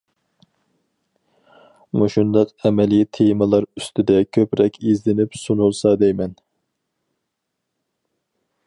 مۇشۇنداق ئەمەلىي تېمىلار ئۈستىدە كۆپرەك ئىزدىنىپ سۇنۇلسا دەيمەن.